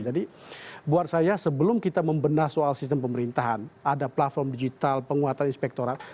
jadi buat saya sebelum kita membenah soal sistem pemerintahan ada platform digital penguatan inspektoran